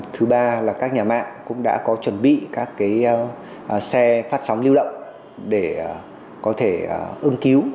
thứ ba là các nhà mạng cũng đã có chuẩn bị các xe phát sóng lưu động để có thể ươm cứu